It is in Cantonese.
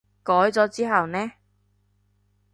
改咗之後呢？